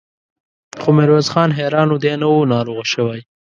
خو ميرويس خان حيران و، دی نه و ناروغه شوی.